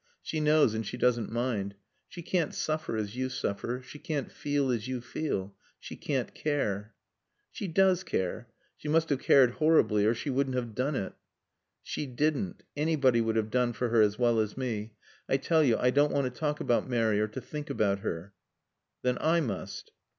She knows and she doesn't mind. She can't suffer as you suffer. She can't feel as you feel. She can't care." "She does care. She must have cared horribly or she wouldn't have done it." "She didn't. Anybody would have done for her as well as me. I tell you I don't want to talk about Mary or to think about her." "Then I must."